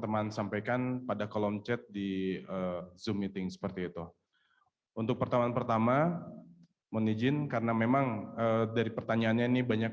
dan kami berkomunikasi dengan keluarga dan kedutaan